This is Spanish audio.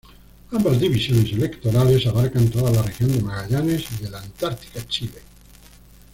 Ambas divisiones electorales abarcan toda la Región de Magallanes y de la Antártica Chile.